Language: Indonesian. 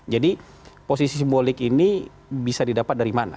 jadi posisi simbolik ini bisa didapat dari mana